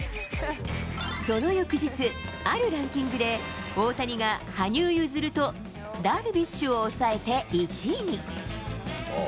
その翌日、あるランキングで、大谷が羽生結弦とダルビッシュを抑えて１位に。